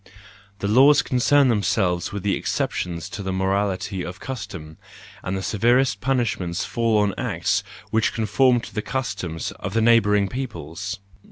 The laws concern themselves with the exceptions to the morality of custom; and the severest punishments fall on acts which conform to the customs of the neighbouring peoples.